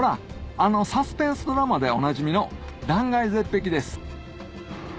あのサスペンスドラマでおなじみの断崖絶壁です